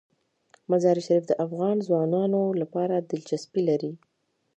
مزارشریف د افغان ځوانانو لپاره دلچسپي لري.